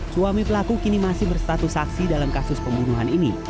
suami pelaku kini masih berstatus saksi dalam kasus pembunuhan ini